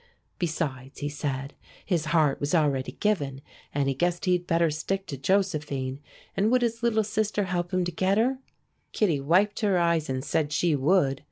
Besides, he said, his heart was already given, and he guessed he'd better stick to Josephine, and would his little sister help him to get her? Kittie wiped her eyes and said she would.